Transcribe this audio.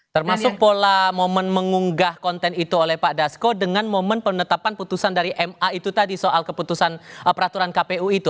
termasuk pola momen mengunggah konten itu oleh pak dasko dengan momen penetapan putusan dari ma itu tadi soal keputusan peraturan kpu itu